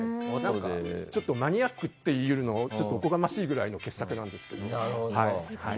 ちょっとマニアックっていうのがおこがましいぐらいの傑作なんですけども。